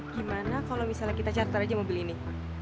gimana kalau misalnya kita charter aja mobil ini